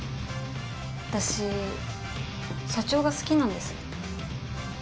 私社長が好きなんです。